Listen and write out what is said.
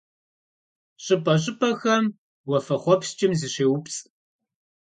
ЩӀыпӀэ-щӀыпӀэхэм уафэхъуэпскӀым зыщеупцӀ.